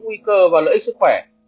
nguy cơ và lợi ích sức khỏe